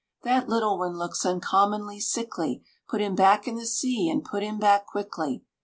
"That little one looks uncommonly sickly, Put him back in the sea, and put him back quickly."